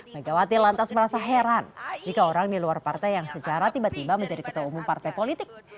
megawati lantas merasa heran jika orang di luar partai yang secara tiba tiba menjadi ketua umum partai politik